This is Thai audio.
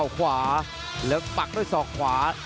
ต่อขวาเหลือกปักด้วยสอกขวา